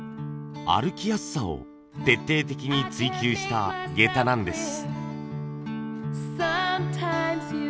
歩きやすさを徹底的に追求した下駄なんです。